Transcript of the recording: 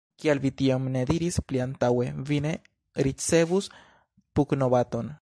Kial vi tion ne diris pli antaŭe, vi ne ricevus pugnobaton!